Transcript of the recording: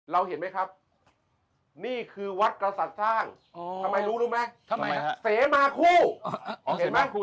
เห็นไหมครับนี่คือวัดกษัตริย์สร้างทำไมรู้รู้ไหมเสมาคู่เห็นไหม